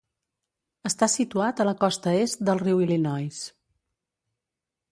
Està situat a la costa est del riu Illinois.